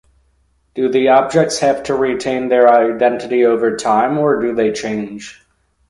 Do the objects have to retain their identity over time or do they change?